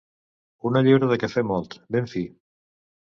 Una lliura de cafè molt, ben fi.